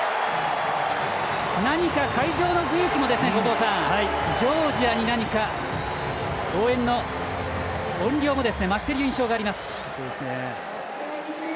何か、会場の雰囲気もジョージアに応援の音量も増している印象があります。